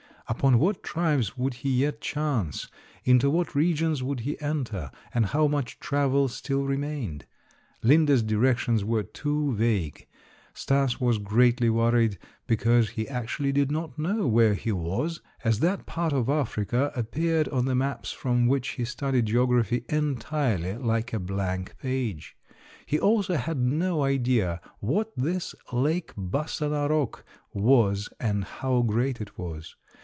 Upon what tribes would he yet chance, into what regions would he enter, and how much travel still remained? Linde's directions were too vague. Stas was greatly worried because he actually did not know where he was, as that part of Africa appeared on the maps from which he studied geography entirely like a blank page. He also had no idea what this Lake Bassa Narok was and how great it was.